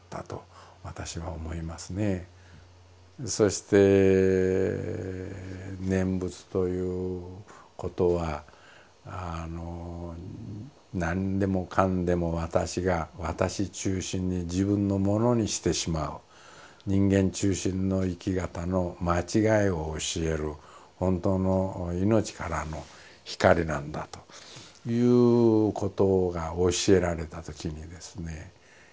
そして念仏ということは何でもかんでも私が私中心に自分のものにしてしまう人間中心の生き方の間違いを教える本当の命からの光なんだということが教えられたときにですね